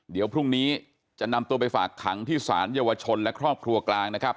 เดี๋ยวพรุ่งนี้จะนำตัวไปฝากขังที่ศาลเยาวชนและครอบครัวกลางนะครับ